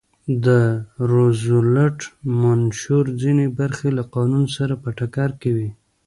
د روزولټ منشور ځینې برخې له قانون سره په ټکر کې وې.